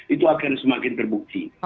itu akan semakin terbukti